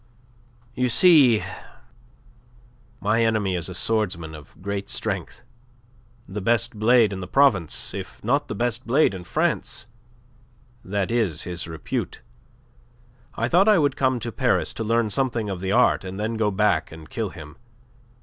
"You see, my enemy is a swordsman of great strength the best blade in the province, if not the best blade in France. That is his repute. I thought I would come to Paris to learn something of the art, and then go back and kill him.